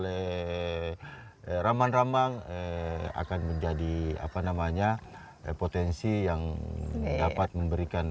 eh eh rambang rambang eh akan menjadi apa namanya eh potensi yang dapat memberikan